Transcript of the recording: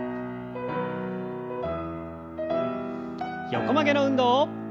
横曲げの運動。